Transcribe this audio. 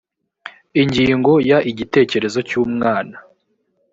ingingo ya igitekerezo cy umwana